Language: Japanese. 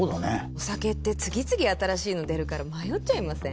お酒って次々新しいの出るから迷っちゃいません？